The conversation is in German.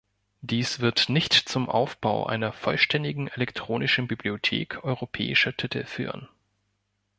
Dies wird nicht zum Aufbau einer vollständigen elektronischen Bibliothek europäischer Titel führen.